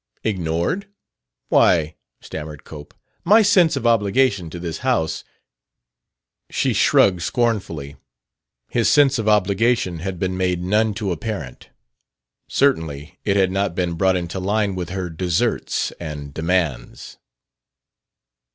"Ignored? Why," stammered Cope, "my sense of obligation to this house " She shrugged scornfully. His sense of obligation had been made none too apparent. Certainly it had not been brought into line with her deserts and demands.